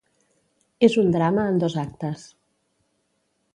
És un drama en dos actes.